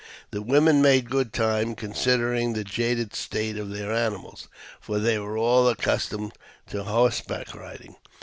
The women made good time, considering the jaded state of their animals, for they were all accustomed to horseback riding.